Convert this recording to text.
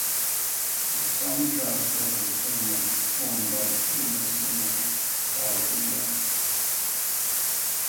The soundtrack of the film was performed by the famous singer Valeriya.